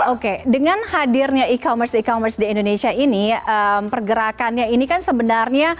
oke dengan hadirnya e commerce e commerce di indonesia ini pergerakannya ini kan sebenarnya